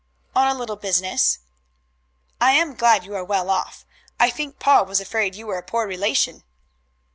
"On a little business." "I am glad you are well off. I think pa was afraid you were a poor relation."